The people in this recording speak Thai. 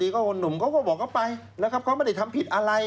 ก็บอกล่ะไปแล้วเธอไม่ได้ทำผิดอะไร